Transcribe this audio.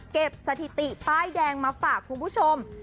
สถิติป้ายแดงมาฝากคุณผู้ชม